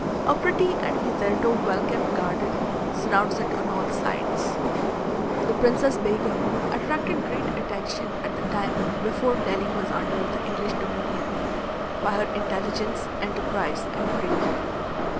A pretty and hitherto well kept garden surrounds it on all sides. The Princess Begum attracted great attention at the time before Delhi was under the English dominion, by her intelligence, enterprise, and bravery.